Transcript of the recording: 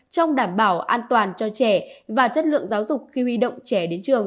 trong đảm bảo an toàn cho trẻ và chất lượng giáo dục khi huy động trẻ đến trường